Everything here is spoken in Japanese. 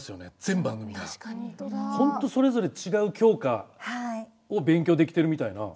ホントそれぞれ違う教科を勉強できてるみたいな。